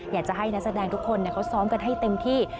อยากจะให้นักแสดงทุกคนเขาซ้อมกันให้เต็มที่